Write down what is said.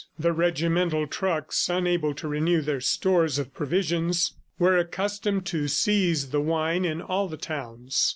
The regimental trucks, unable to renew their stores of provisions, were accustomed to seize the wine in all the towns.